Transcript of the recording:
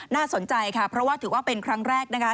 น่าสนใจค่ะเพราะว่าถือว่าเป็นครั้งแรกนะคะ